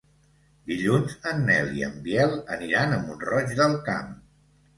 Dilluns en Nel i en Biel aniran a Mont-roig del Camp.